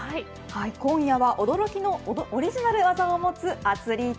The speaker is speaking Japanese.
今夜は、驚きのオリジナル技を持つアツリート。